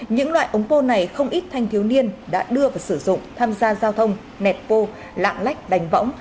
những loại ống pô này không ít thanh thiếu niên đã đưa vào sử dụng tham gia giao thông nẹt pô lạng lách đánh võng